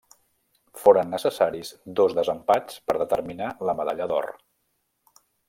Foren necessaris dos desempats per determinar la medalla d'or.